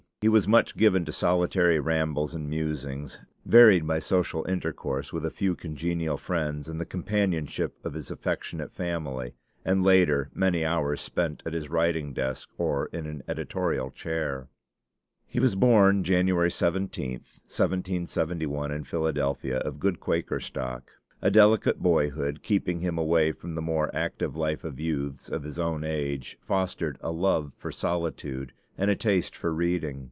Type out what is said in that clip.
He was much given to solitary rambles and musings, varied by social intercourse with a few congenial friends and the companionship of his affectionate family, and later, many hours spent at his writing desk or in an editorial chair. He was born January 17th, 1771, in Philadelphia, of good Quaker stock. A delicate boyhood, keeping him away from the more active life of youths of his own age, fostered, a love for solitude and a taste for reading.